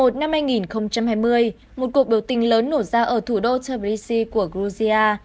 tháng một mươi một năm hai nghìn hai mươi một cuộc biểu tình lớn nổ ra ở thủ đô tbilisi của georgia